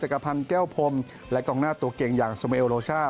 กระพันธ์แก้วพรมและกองหน้าตัวเก่งอย่างสเมลโลช่า